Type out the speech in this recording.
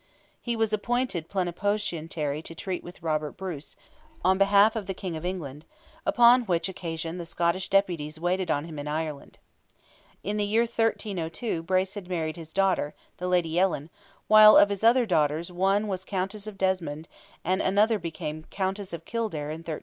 He was appointed plenipotentiary to treat with Robert Bruce, on behalf of the King of England, "upon which occasion the Scottish deputies waited on him in Ireland." In the year 1302 Bruce had married his daughter, the Lady Ellen, while of his other daughters one was Countess of Desmond, and another became Countess of Kildare in 1312.